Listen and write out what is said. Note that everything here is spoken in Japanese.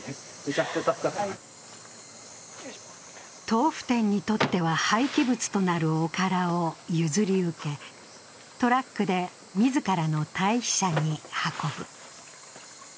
豆腐店にとっては廃棄物となるおからを譲り受け、トラックで自らの堆肥舎に運ぶ。